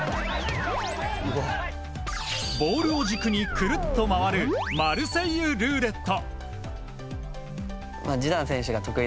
ボールを軸にくるっと回るマルセイユルーレット。